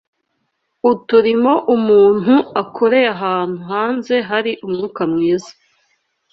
uturimo umuntu akoreye ahantu hanze hari umwuka mwiza